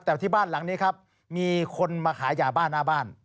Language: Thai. แต่ที่บ้านหลังนี้ครับมีคนมาขายยาบ้านหน้าบ้าน